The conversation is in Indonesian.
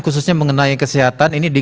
khususnya mengenai kesehatan ini